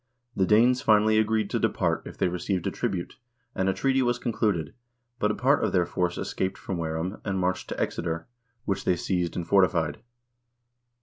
The Danes finally agreed to depart if they received a tribute, and a treaty was concluded, but a part of their force escaped from Ware ham and marched to Exeter, which they seized and fortified.